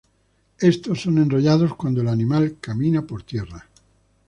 Estos son enrollados cuando el animal camina por tierra.